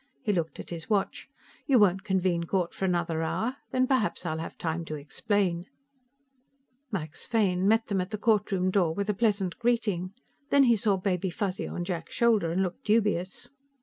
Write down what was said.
He looked at his watch. "You won't convene court for another hour? Then perhaps I'll have time to explain." Max Fane met them at the courtroom door with a pleasant greeting. Then he saw Baby Fuzzy on Jack's shoulder and looked dubious.